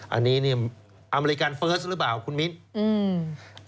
อันนี้เนี่ยอเมริกันเฟิร์สหรือเปล่าคุณมิ้นอืม